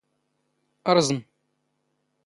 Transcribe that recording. ⵕⵥⵎ.